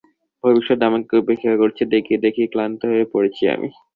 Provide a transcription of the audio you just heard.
ভবিষ্যৎ আমাকে উপেক্ষা করছে দেখে দেখে ক্লান্ত হয়ে পড়েছি আমি।